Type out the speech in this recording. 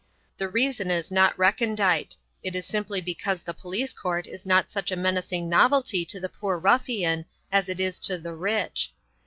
The reason is not recondite; it is simply because the police court is not such a menacing novelty to the poor ruffian as it is to the rich.